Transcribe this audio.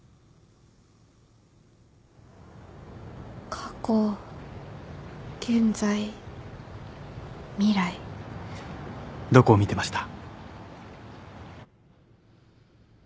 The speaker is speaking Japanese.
過去現在未来どこを見てました？